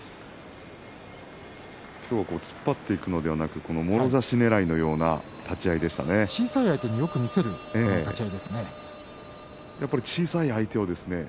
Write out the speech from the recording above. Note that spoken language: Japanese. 今日は突っ張っていくのではなくもろ差しねらいのような小さい相手に小さい相手はですね